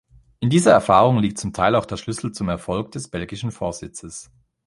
In dieser Erfahrung liegt zum Teil auch der Schlüssel zum Erfolg des belgischen Vorsitzes.